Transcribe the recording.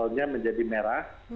levelnya menjadi merah